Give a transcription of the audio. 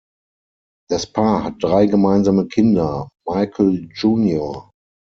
Das Paar hat drei gemeinsame Kinder: Michael Jr.